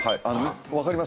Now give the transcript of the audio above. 分かります？